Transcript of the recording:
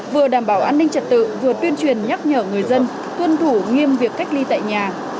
vừa đảm bảo an ninh trật tự vừa tuyên truyền nhắc nhở người dân tuân thủ nghiêm việc cách ly tại nhà